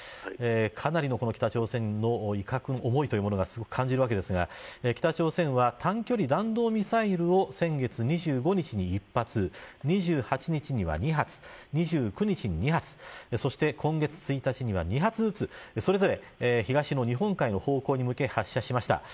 かなりのこの北朝鮮の威嚇思いというものをすごく感じたわけですが北朝鮮は短距離弾道ミサイルを先月２５日に１発２８日には２発２９日に２発そして今月１日には２発ずつそれぞれ東の日本海の方向に向け発射しました。